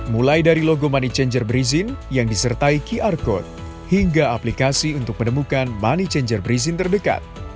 mulai dari logo money changer berizin yang disertai qr code hingga aplikasi untuk menemukan money changer berizin terdekat